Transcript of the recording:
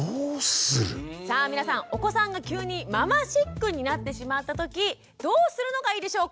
さあ皆さんお子さんが急にママシックになってしまった時どうするのがいいでしょうか？